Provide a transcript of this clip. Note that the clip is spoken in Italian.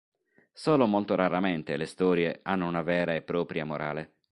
Solo molto raramente le storie hanno una vera e propria morale.